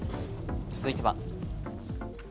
続いては。